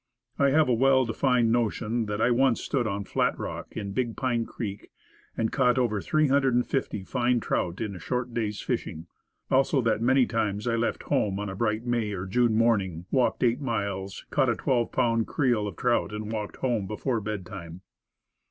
I have a well defined notion that I once stood on Flat Rock, in Big Pine Creek, and caught over 350 fine trout in a short day's fishing. Also, that many times I left home on a bright May or June morning, walked eight miles, caught a twelve pound creel of trout, and walked home before bedtime.